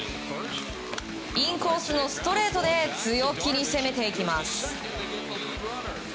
インコースのストレートで強気に攻めていきます。